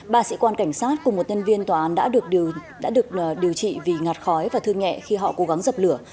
ba sĩ quan cảnh sát cùng một nhân viên tòa án đã được điều trị vì ngạt khói và thương nhẹ khi họ cố gắng dập lửa